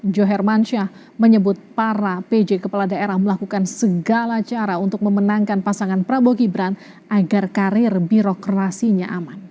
johermansyah menyebut para pj kepala daerah melakukan segala cara untuk memenangkan pasangan prabowo gibran agar karir birokrasinya aman